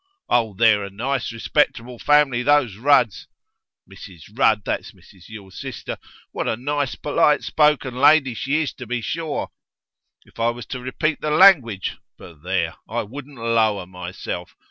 Oh, they're a nice respectable family, those Rudds! Mrs Rudd that's Mrs Yule's sister what a nice, polite spoken lady she is, to be sure? If I was to repeat the language but there, I wouldn't lower myself.